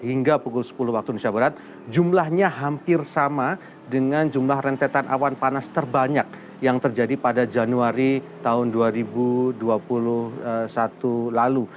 hingga pukul sepuluh waktu indonesia barat jumlahnya hampir sama dengan jumlah rentetan awan panas terbanyak yang terjadi pada januari tahun dua ribu dua puluh satu lalu